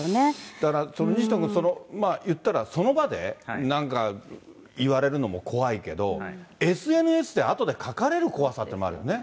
だから西野君、いったら、その場でなんか言われるのも怖いけど、ＳＮＳであとで書かれる怖さってあるよね。